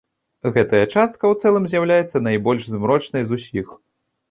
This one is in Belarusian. Гэтая частка ў цэлым з'яўляецца найбольш змрочнай з усіх.